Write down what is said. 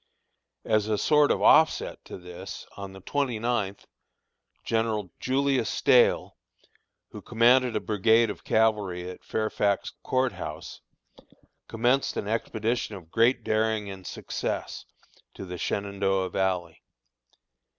As a sort of offset to this, on the twenty ninth, General Julius Stahel, who commanded a brigade of cavalry at Fairfax Court House, commenced an expedition of great daring and success, to the Shenandoah Valley.